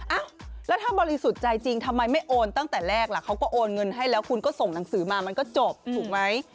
อ้าวแล้วถ้าบริสุทธิ์ใจจริงทำไมไม่โอนตั้งแต่แรกล่ะเขาก็โอนเงินให้แล้วคุณก็ส่งหนังสือมามันก็จบถูกไหม